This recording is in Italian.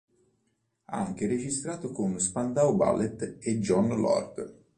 Ha anche registrato con Spandau Ballet e Jon Lord.